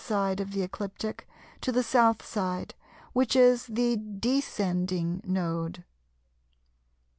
side of the ecliptic to the S. side, which is the "Descending Node" (☋).